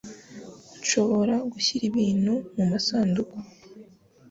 Nshobora gushyira ibintu mumasanduku.